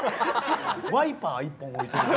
ワイパー１本置いてる。